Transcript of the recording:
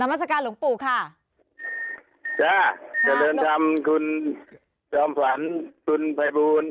น้าวสการลงปูค่ะแล้วเริ่มทำคุณคุณคศ์บริษัทคุณแพ้ภูมิ